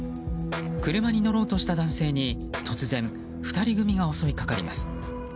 車に乗ろうとした男性に突然、２人組が襲いかかります。